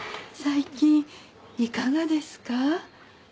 最近いかがですか？